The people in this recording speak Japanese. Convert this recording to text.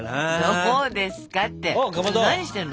どうですかって何してるの？